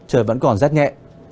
trời vẫn còn rất nhẹ